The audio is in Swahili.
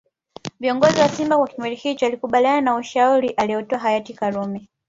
Viongozi wa simba kwa kipindi hicho walikubaliana na ushauri alioutoa hayati karume